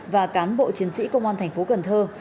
và cán bộ chiến sĩ công an thành phố cần thơ